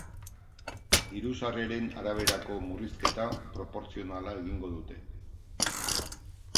Diru-sarreren araberako murrizketa proportzionala egingo dute.